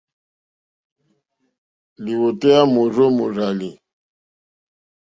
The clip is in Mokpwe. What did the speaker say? Lìwòtéyá môrzó mòrzàlì.